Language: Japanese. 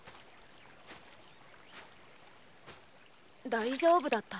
大丈夫だった？